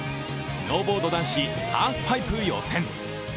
スノーボード男子ハーフパイプ予選。